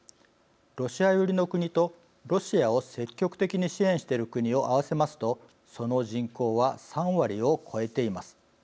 ロシア寄りの国とロシアを積極的に支援している国を合わせますとその人口は３割を超えています。